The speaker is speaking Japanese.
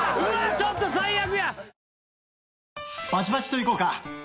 ちょっと最悪や。